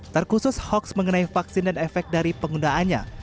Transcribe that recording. terkhusus hoax mengenai vaksin dan efek dari penggunaannya